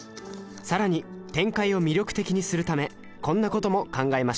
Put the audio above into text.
更に展開を魅力的にするためこんなことも考えましたよ！